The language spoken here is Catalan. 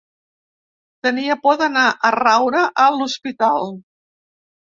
Tenir por d'anar a raure a l'hospital.